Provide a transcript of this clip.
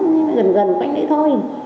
nhưng mà gần gần quanh đấy thôi